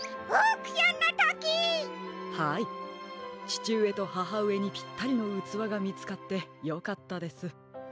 ちちうえとははうえにぴったりのうつわがみつかってよかったです。